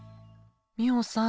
ミホさん